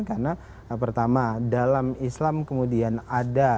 karena pertama dalam islam kemudian ada